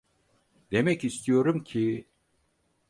Demek istiyorum ki…